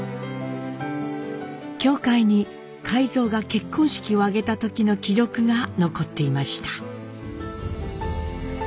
教会に海蔵が結婚式を挙げた時の記録が残っていました。